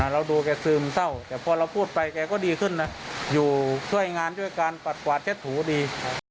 เราดูแกซึมเศร้าแต่พอเราพูดไปแกก็ดีขึ้นนะอยู่ช่วยงานด้วยการปัดกวาดเช็ดถูดี